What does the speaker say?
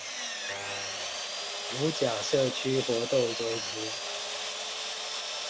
五甲社區活動中心